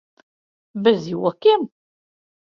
Bez jokiem?